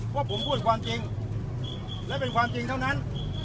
ว่าผมพูดความจริงและเป็นความจริงเท่านั้น